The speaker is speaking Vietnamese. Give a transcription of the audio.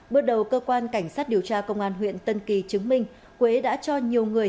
bước đầu cơ quan cảnh sát điều tra công an huyện tân kỳ chứng minh quế đã cho nhiều người